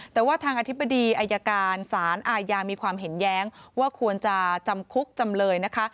แต่ว่าทางอธิบดีอายการสารอาญามีความเห็นแย้งว่าควรจะจำคุกจำเลยนะคะ